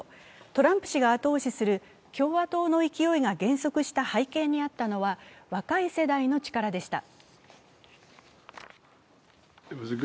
トランプ氏が後押しする共和党の勢いが減速した背景にあったのは、若い世代の力でした。